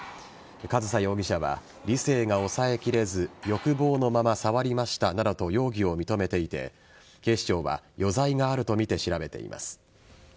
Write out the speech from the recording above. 上総容疑者は理性が抑えきれず欲望のまま触りましたなどと容疑を認めていて警視庁は余罪があるとみて調べています。